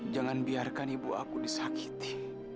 jangan biarkan ibu aku disakiti